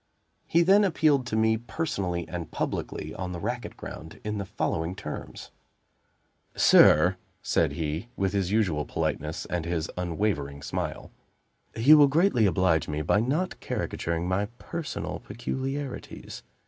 He then appealed to me personally and publicly, on the racket ground, in the following terms: "Sir," said he, with his usual politeness and his unwavering smile, "you will greatly oblige me by not caricaturing my personal peculiarities.